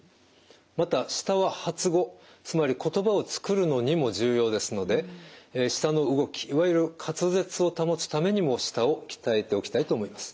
また舌は発語つまり言葉を作るのにも重要ですので舌の動きいわゆる滑舌を保つためにも舌を鍛えておきたいと思います。